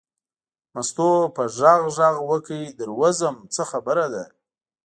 مستو په غږ غږ وکړ در وځم څه خبره ده.